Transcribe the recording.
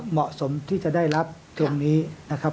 เหมาะสมที่จะได้รับตรงนี้นะครับ